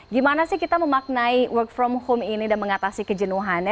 gimana sih kita memaknai work from home ini dan mengatasi kejenuhannya